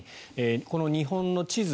この日本の地図